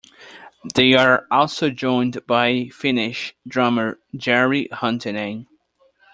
They are also joined by Finnish drummer Jari Huttunen.